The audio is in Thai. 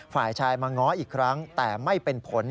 ฝ่ายชายมาง้ออีกครั้งแต่ไม่เป็นผล